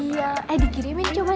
iya dikirimin coba